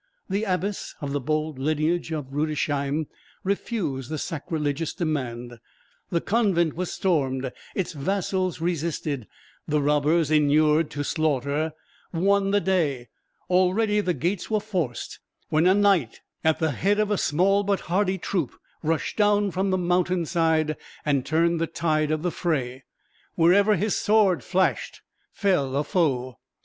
The abbess, of the bold lineage of Rudesheim, refused the sacrilegious demand; the convent was stormed; its vassals resisted; the robbers, inured to slaughter, won the day; already the gates were forced, when a knight, at the head of a small but hardy troop, rushed down from the mountain side and turned the tide of the fray. Wherever his sword flashed fell a foe.